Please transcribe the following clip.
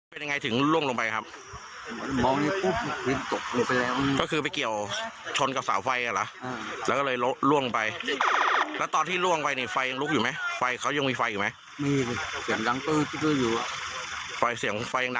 ไปไหนเอ่ยจับไกลลงไกลเนี่ยนะ